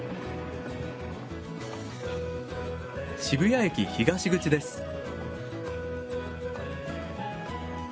渋谷駅東口です。